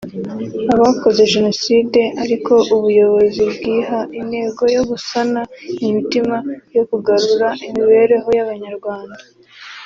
abakoze Jenoside ariko ubuyobozi bwiha intego yo gusana imitima no kugarura imibereho y’Abanyarwanda